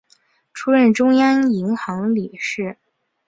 出任中央银行理事。